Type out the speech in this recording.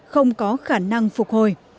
không có khả năng phục hồi